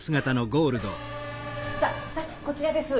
さっさあこちらです。